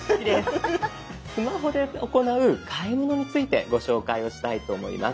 スマホで行う買い物についてご紹介をしたいと思います。